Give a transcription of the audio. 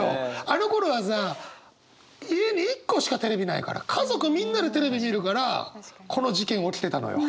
あのころはさ家に一個しかテレビないから家族みんなでテレビ見るからこの事件起きてたのよ。